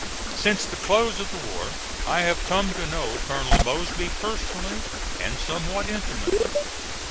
Since the close of the war I have come to know Colonel Mosby personally, and somewhat intimately.